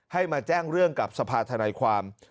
ให้มาแจ้งเรื่องกับสภาธนายความ